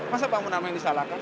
masa pak munarman disalahkan